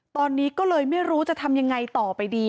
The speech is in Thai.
ตอนนี้ก็เลยไม่รู้จะทำยังไงต่อไปดี